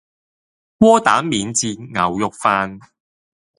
窩蛋免治牛肉飯